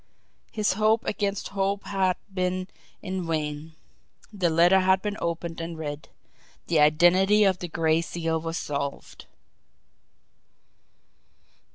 His hope against hope had been in vain the letter had been opened and read THE IDENTITY OF THE GRAY SEAL WAS SOLVED.